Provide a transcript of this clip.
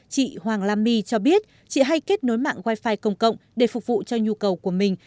chị hoàng lam my cho biết chị hay kết nối mạng wifi công cộng để phục vụ cho nhu cầu của mình